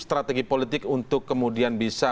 strategi politik untuk kemudian bisa